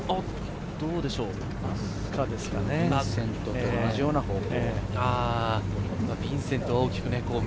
ビンセントと同じような方向。